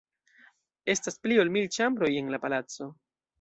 Estas pli ol mil ĉambroj en la palaco.